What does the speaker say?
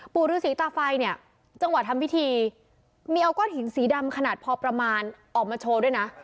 ปู่ฤษีตาไฟเนี่ยจังหวะทำพิธีมีเอาก้อนหินสีดำขนาดพอประมาณออกมาโชว์ด้วยนะ